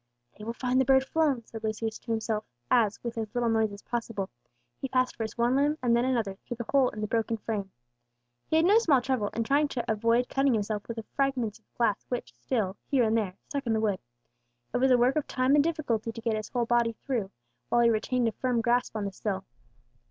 "They will find the bird flown," said Lucius to himself, as, with as little noise as possible, he passed first one limb, and then another, through the hole in the broken frame. He had no small trouble in trying to avoid cutting himself with the fragments of glass which still, here and there, stuck in the wood. It was a work of time and difficulty to get his whole body free, while he retained a firm grasp on the sill.